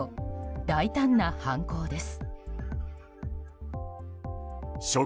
大胆な犯行です。